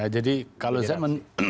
jadi kalau saya